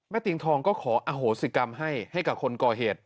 เตียงทองก็ขออโหสิกรรมให้ให้กับคนก่อเหตุ